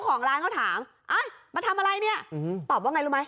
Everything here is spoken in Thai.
ตอบว่าว่าไงรู้ไหม